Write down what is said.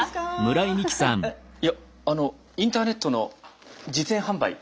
いやあのインターネットの実演販売。